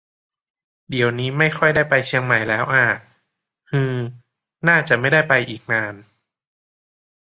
เดี่ยวนี้ไม่ค่อยได้ไปเชียงใหม่แล้วอ่า ฮือ น่าจะไม่ได้ไปอีกนาน